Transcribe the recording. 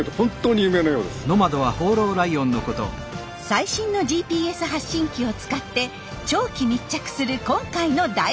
最新のＧＰＳ発信機を使って長期密着する今回の大調査。